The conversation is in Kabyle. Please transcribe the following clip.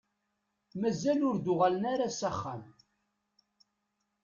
Mazal ur d-uɣalen ara s axxam.